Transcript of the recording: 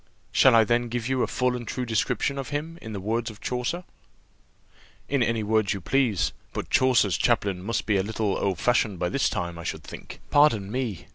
"Shall I then give you a full and true description of him in the words of Chaucer?" "In any words you please. But Chaucer's chaplain must be a little old fashioned by this time, I should think." "Pardon me.